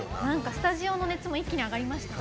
スタジオの熱も一気に上がりましたね。